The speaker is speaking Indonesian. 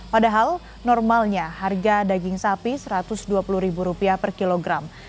padahal normalnya harga daging sapi rp satu ratus dua puluh per kilogram